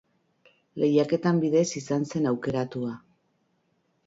Lehiaketa bidez izan zen aukeratua.